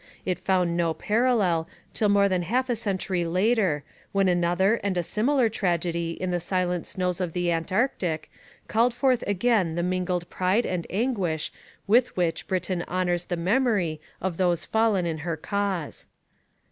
It found no parallel till more than half a century later, when another and a similar tragedy in the silent snows of the Antarctic called forth again the mingled pride and anguish with which Britain honours the memory of those fallen in her cause.